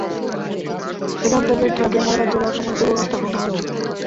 এখান থেকে ট্রাকে ময়লা তোলার সময় পুরো রাস্তা বন্ধ হয়ে যায়।